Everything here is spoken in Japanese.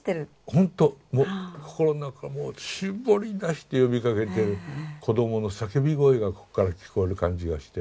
ほんと心の中からもう絞り出して呼びかけてる子どもの叫び声がこっから聞こえる感じがして。